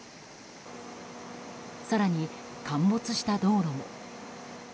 更に陥没した道路も。